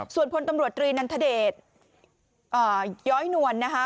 ส่วนพลตำรวจตรีนันทเดชย้อยนวลนะคะ